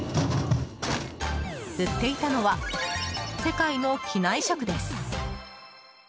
売っていたのは世界の機内食です。